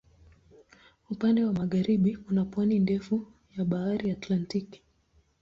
Upande wa magharibi kuna pwani ndefu ya Bahari Atlantiki.